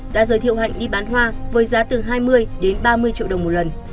đã giới thiệu hạnh đi bán hoa với giá từ hai mươi đến ba mươi triệu đồng một lần